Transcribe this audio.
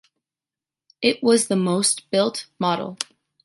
It was the most built model.